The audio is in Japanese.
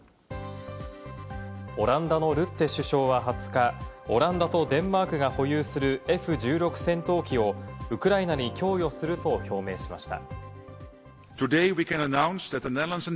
オランダのルッテ首相は２０日、オランダとデンマークが保有するＦ１６戦闘機をウクライナに供与すると表明しました。